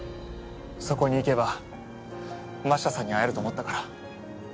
そこに行けば真下さんに会えると思ったから。